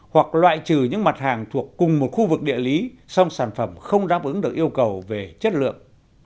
hoặc loại trừ những mặt hàng thuộc cùng một khu vực địa lý song sản phẩm không đáp ứng được yêu cầu về chất lượng